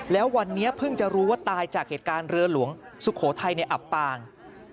แล้ววันนี้เพิ่งจะรู้ว่าตายจากเหตุการณ์เรือหลวงสุโขทัยในอับปาง